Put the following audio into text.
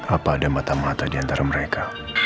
apa ada mata mata di antara mereka